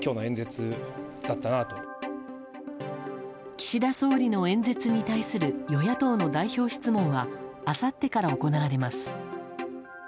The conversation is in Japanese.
岸田総理の演説に対する与野党の代表質問はあさってから行われます。